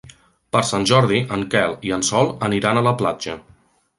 Per Sant Jordi en Quel i en Sol aniran a la platja.